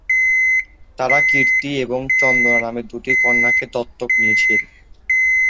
তাঁরা কীর্তি এবং চন্দনা নামে দুটি কন্যাকে দত্তক নিয়েছেন।